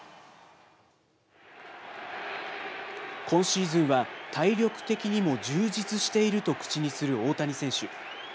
今シーズンは、体力的にも充実していると口にする大谷選手。